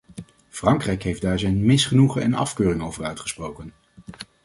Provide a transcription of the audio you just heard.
Frankrijk heeft daar zijn misnoegen en afkeuring over uitgesproken.